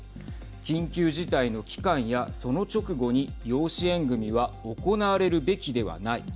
緊急事態の期間やその直後に養子縁組は行われるべきではない。